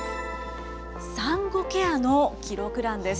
産後ケアの記録欄です。